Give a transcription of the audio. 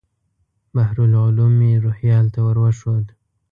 بحر العلوم مې روهیال ته ور وښود.